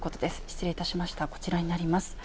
失礼いたしました、こちらになります。